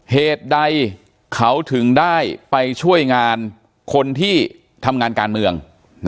เหตุใดเขาถึงได้ไปช่วยงานคนที่ทำงานการเมือง